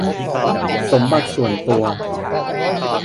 สมบัติส่วนตัว